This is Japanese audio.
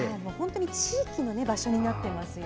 地域の場所になってますよ。